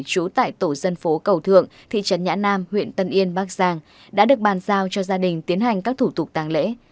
trú tại tổ dân phố cầu thượng thị trấn nhã nam huyện tân yên bắc giang đã được bàn giao cho gia đình tiến hành các thủ tục tàng lễ